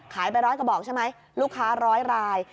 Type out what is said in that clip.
ไปร้อยกระบอกใช่ไหมลูกค้าร้อยราย